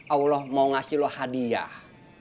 allah mau ngasih lo hadiah